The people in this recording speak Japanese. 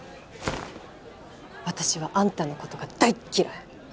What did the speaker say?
私はあんたの事が大っ嫌い！